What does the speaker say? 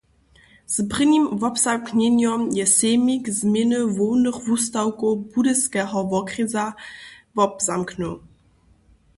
Z prěnim wobzamknjenjom je sejmik změny hłownych wustawkow Budyskeho wokrjesa wobzamknył.